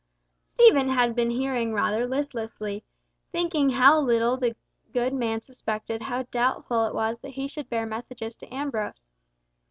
Stephen had been hearing rather listlessly, thinking how little the good man suspected how doubtful it was that he should bear messages to Ambrose.